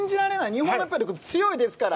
日本のぺアは強いですから。